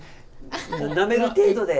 もうなめる程度で。